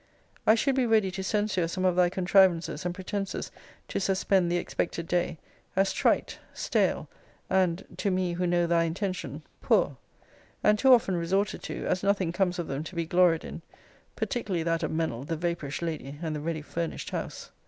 ] I should be ready to censure some of thy contrivances and pretences to suspend the expected day, as trite, stale, and (to me, who know thy intention) poor; and too often resorted to, as nothing comes of them to be gloried in; particularly that of Mennell, the vapourish lady, and the ready furnished house.